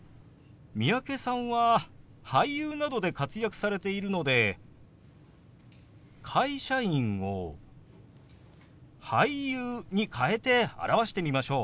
三宅さんは俳優などで活躍されているので「会社員」を「俳優」に変えて表してみましょう。